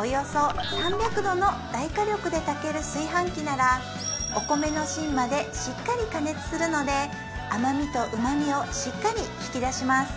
およそ３００度の大火力で炊ける炊飯器ならお米の芯までしっかり加熱するので甘みと旨みをしっかり引き出します